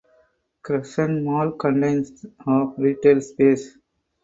Crescent Mall contains of retail space.